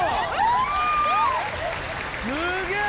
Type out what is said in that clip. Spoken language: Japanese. すげえ！